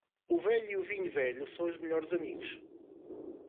O velho e o vinho velho são os melhores amigos.